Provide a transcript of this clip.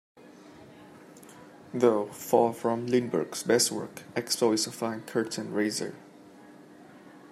Though far from Lindberg's best work, "Expo" is a fine curtain-raiser.